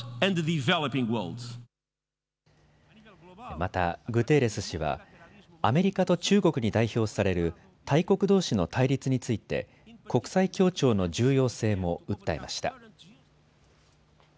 またグテーレス氏はアメリカと中国に代表される大国どうしの対立について国際協調の重要性も訴えました。